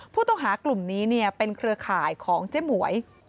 ผู้ต้องหากลุ่มนี้เป็นเครือข่ายของเจ๊หมวย